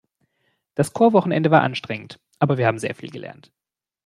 Das Chorwochenende war anstrengend, aber wir haben sehr viel gelernt.